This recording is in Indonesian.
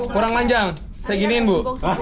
kurang panjang saya giniin bu